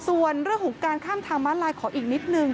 ส่วนเรื่องของการข้ามทางม้าลายขออีกนิดนึง